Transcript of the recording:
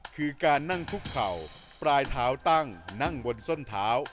คือการนั่งคุกเข่าปลายเท้าตั้งนั่งบนส้นเท้า